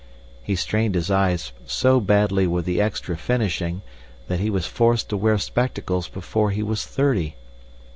He strained his eyes so badly with the extra finishing, that he was forced to wear spectacles before he was thirty.